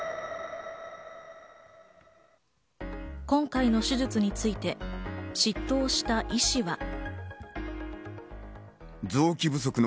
今回の手術に関して執刀した医師は。